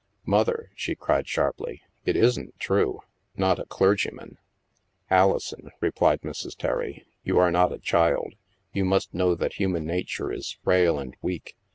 " Mother," she cried sharply, " it isn't true? Not a clergyman !"" Alison," replied Mrs. Terry, " you are not a child. You must know that human nature is frail and weak.